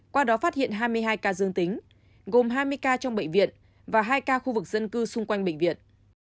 qua đó phát hiện hai mươi hai ca dương tính gồm hai mươi ca trong bệnh viện và hai ca khu vực dân cư xung quanh bệnh viện